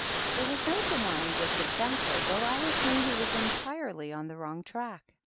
There was no denying this exactly, though Alice knew he was entirely on the wrong track.